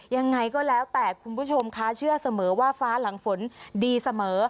ยังไงก็แล้วแต่คุณผู้ชมคะเชื่อเสมอว่าฟ้าหลังฝนดีเสมอ